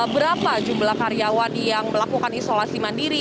berapa jumlah karyawan yang melakukan isolasi mandiri